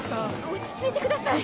落ち着いてください。